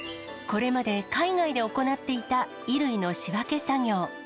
これまで海外で行っていた衣類の仕分け作業。